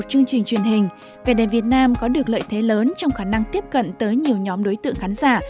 chương trình truyền hình về đề việt nam có được lợi thế lớn trong khả năng tiếp cận tới nhiều nhóm đối tượng khán giả